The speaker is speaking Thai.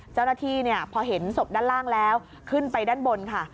เจ้าหน้าที่พอเห็นศพด้านล่างแล้วขึ้นไปด้านบนค่ะ